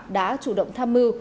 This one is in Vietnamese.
đã chủ động tham mưu